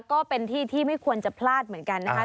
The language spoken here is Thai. ก็เป็นที่ที่ไม่ควรจะพลาดเหมือนกันนะคะ